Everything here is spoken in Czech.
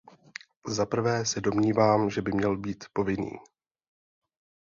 Za prvé se domnívám, že by měl být povinný.